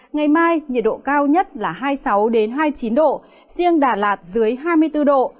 ngày mai nhiệt độ cao nhất là hai mươi sáu hai mươi chín độ riêng đà lạt dưới hai mươi bốn độ